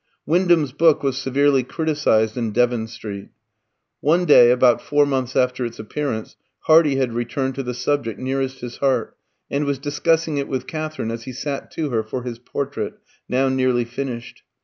Wyndham's book was severely criticised in Devon Street. One day, about four months after its appearance, Hardy had returned to the subject nearest his heart, and was discussing it with Katherine as he sat to her for his portrait, now nearly finished.